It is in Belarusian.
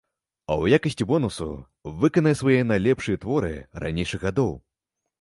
А ў якасці бонусу выканае свае найлепшыя творы ранейшых гадоў.